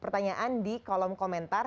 pertanyaan di kolom komentar